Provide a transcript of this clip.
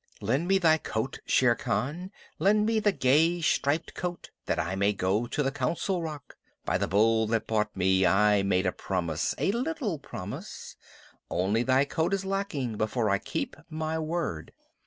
Lend me thy coat, Shere Khan. Lend me thy gay striped coat that I may go to the Council Rock. By the Bull that bought me I made a promise a little promise. Only thy coat is lacking before I keep my word.